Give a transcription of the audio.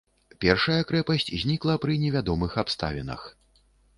Першая крэпасць знікла пры невядомых абставінах.